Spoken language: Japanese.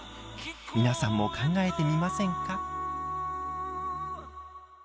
皆さんも考えてみませんか？